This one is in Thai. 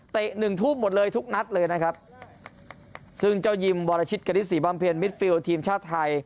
หนึ่งทุ่มหมดเลยทุกนัดเลยนะครับซึ่งเจ้ายิมวรชิตกณิตศรีบำเพ็ญมิดฟิลทีมชาติไทย